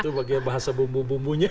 itu pakai bahasa bumbu bumbunya